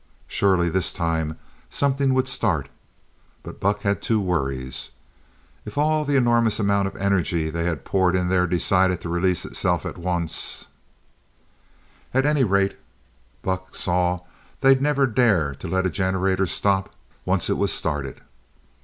Surely, this time something would start, but Buck had two worries. If all the enormous amount of energy they had poured in there decided to release itself at once And at any rate, Buck saw they'd never dare to let a generator stop, once it was started!